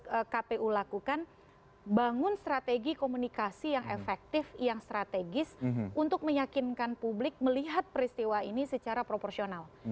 yang kpu lakukan bangun strategi komunikasi yang efektif yang strategis untuk meyakinkan publik melihat peristiwa ini secara proporsional